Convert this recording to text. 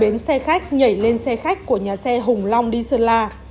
tuấn trốn rồi ra bến xe khách nhảy lên xe khách của nhà xe hùng long đi sơn la